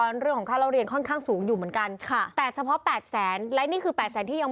หรือเปล่าเรารู้อยู่ว่าหมอนามศิษย์เนี่ยเรื่องของ